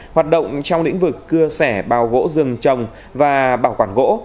hoạt động trong lĩnh vực cưa sẻ bào gỗ rừng trồng và bảo quản gỗ